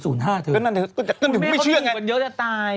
หมูเม่คันถูกบางเยอะจะตาย